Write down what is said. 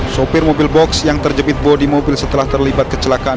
sopir mobil box yang terjepit bodi mobil setelah terlibat kecelakaan